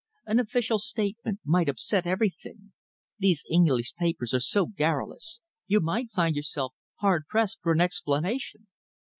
An official statement might upset everything. These English papers are so garrulous. You might find yourself hard pressed for an explanation."